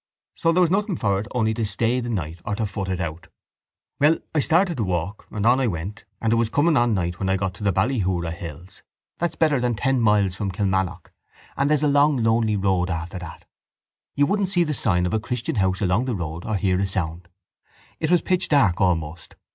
So there was nothing for it only to stay the night or to foot it out. Well, I started to walk and on I went and it was coming on night when I got into the Ballyhoura hills, that's better than ten miles from Kilmallock and there's a long lonely road after that. You wouldn't see the sign of a christian house along the road or hear a sound. It was pitch dark almost.